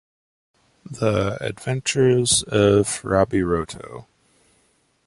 The Adventures of Robby Roto!